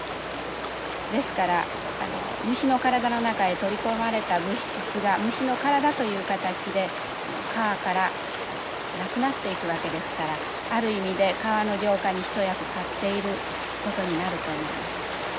ですから虫の体の中へ取り込まれた物質が虫の体という形で川からなくなっていくわけですからある意味で川の浄化に一役買っていることになると思います。